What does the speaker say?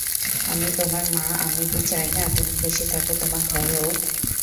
আমি তোমার মা আমি কি চাই না তুমি খুশি থাকো তোমার ঘর হউক।